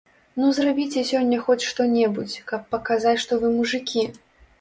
Ну, зрабіце сёння хоць што-небудзь, каб паказаць, што вы мужыкі!